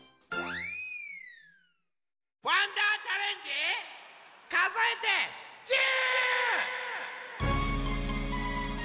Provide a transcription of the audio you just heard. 「わんだーチャレンジかぞえて１０」！